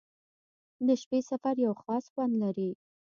• د شپې سفر یو خاص خوند لري.